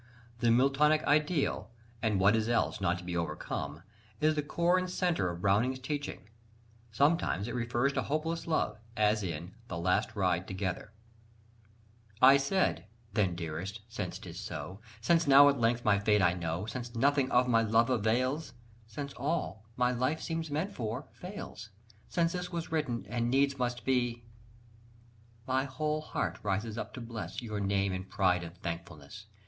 The Miltonic ideal, "and what is else, not to be overcome," is the core and centre of Browning's teaching. Sometimes it refers to hopeless love, as in The Last Ride Together. I said Then, Dearest, since 'tis so, Since now at length my fate I know, Since nothing all my love avails, Since all, my life seemed meant for, fails, Since this was written and needs must be My whole heart rises up to bless Your name in pride and thankfulness!